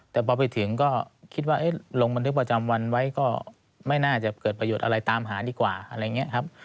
แต่พอไปถึงก็คิดว่าลงบันทึกประจำวันไว้ก็ไม่น่าจะเกิดประโยชน์อะไรตามหาดีกว่าอะไรอย่างนี้ครับ